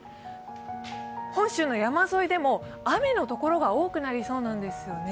本州の山沿いでも雨の所が多くなりそうなんですね。